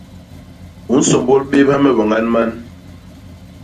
U nsômbôl bébha me wañan man.